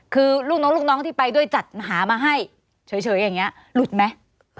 คือลูกน้องลูกน้องที่ไปด้วยจัดหามาให้เฉยอย่างนี้หลุดไหม